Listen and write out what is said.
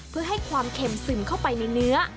เพื่อให้ความเค็มซึมเข้าไปในเนื้อ